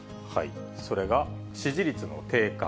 それが支持率の低下。